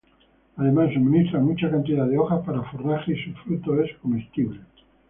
Además suministra mucha cantidad de hojas para forraje y su fruto es comestible.